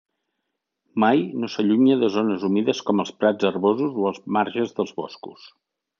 Mai no s'allunya de zones humides com els prats herbosos o els marges dels boscos.